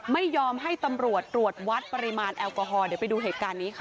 ไม่ยอมให้ตำรวจตรวจวัดปริมาณแอลกอฮอลเดี๋ยวไปดูเหตุการณ์นี้ค่ะ